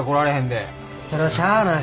それはしゃあない。